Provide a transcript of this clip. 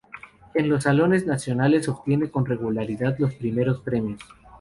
En los Salones Nacionales obtiene con regularidad los primeros premios.